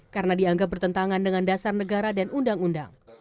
karena dianggap bertentangan dengan dasar negara dan undang undang